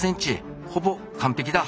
ほぼ完璧だ！